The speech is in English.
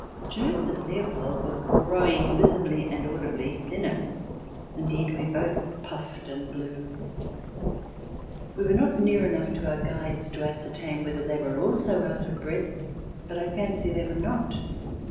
Joseph Leopold was growing visibly and audibly thinner. Indeed, we both puffed and blew. We were not near enough to our guides to ascertain whether they were also out of breath, but I fancy they were not.